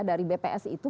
dari bps itu